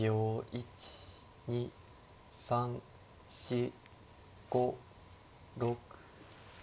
１２３４５６。